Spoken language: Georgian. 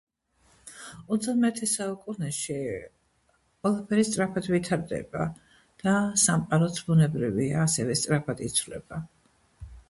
ოცდამეერთე საუკუნეში ყველაფერი სწრაფად ვითარდება და სამყაროც, ბუნებრივია, ასევე სწრაფად იცვლება.